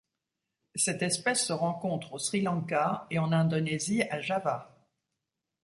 Cette espèce se rencontre au Sri Lanka et en Indonésie à Java.